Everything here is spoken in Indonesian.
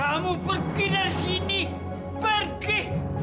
kamu pergi dari sini pergi